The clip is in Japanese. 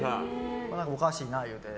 おかしいな言うて。